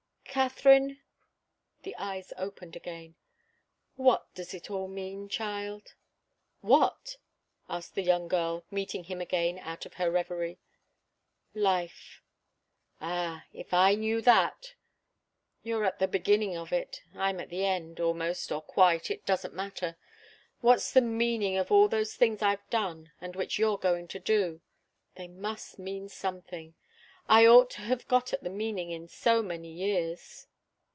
"Katharine," the eyes opened again, "what does it all mean, child?" "What?" asked the young girl, meeting him again out of her reverie. "Life." "Ah if I knew that " "You're at the beginning of it I'm at the end almost, or quite, it doesn't matter. What's the meaning of all those things I've done, and which you're going to do? They must mean something. I ought to have got at the meaning in so many years."